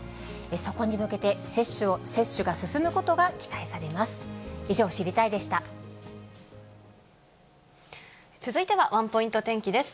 そこに向けて、接種が進むことが期待されます。